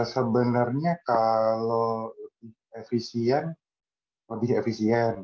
sebenarnya kalau lebih efisien lebih efisien